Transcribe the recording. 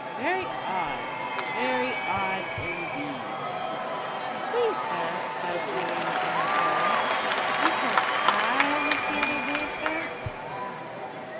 Very odd, very odd indeed." "Please, sir," observed Willie, in a gentle tone, "you said I was the other boy, sir."